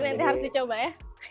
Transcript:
nanti harus dicoba ya